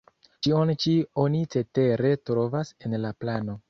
Ĉion ĉi oni cetere trovas en la plano.